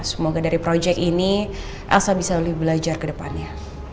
semoga dari project ini elsa bisa lebih belajar kedepannya